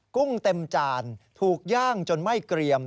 กุ้งเต็มจานถูกย่างจนไม่เกรียม